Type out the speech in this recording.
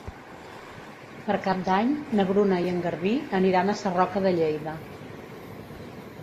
Per Cap d'Any na Bruna i en Garbí aniran a Sarroca de Lleida.